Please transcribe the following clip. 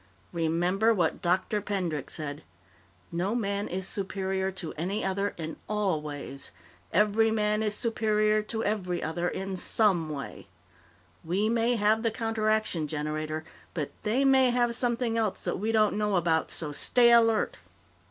Remember what Dr. Pendric said: 'No man is superior to any other in all ways. Every man is superior to every other in some way.' We may have the counteraction generator, but they may have something else that we don't know about. So stay alert.